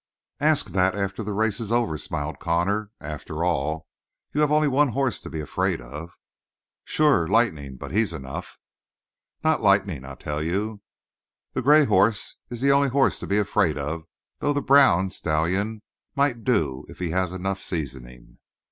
"Ask that after the race is over," smiled Connor. "After all, you have only one horse to be afraid of." "Sure; Lightnin' but he's enough." "Not Lightning, I tell you. The gray is the only horse to be afraid of though the brown stallion might do if he has enough seasoning."